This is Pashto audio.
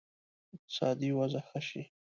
اقتصادي وضع ښه شي.